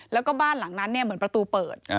แล้วก็บ้านหลังนั้นเหมือนประตูเปิด